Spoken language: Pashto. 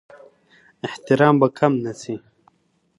احترام به کم نه سي.